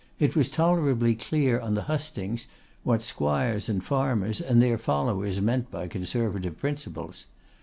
It was tolerably clear on the hustings what squires and farmers, and their followers, meant by Conservative principles.